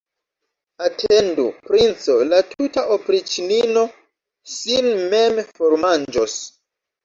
Atendu, princo, la tuta opriĉnino sin mem formanĝos.